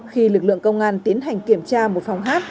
khi lực lượng công an tiến hành kiểm tra một phòng hát